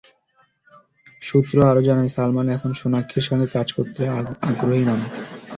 সূত্র আরও জানায়, সালমান এখন সোনাক্ষীর সঙ্গে কাজ করতে আগ্রহী নন।